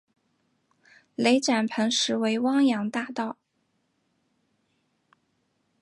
雷展鹏实为汪洋大盗。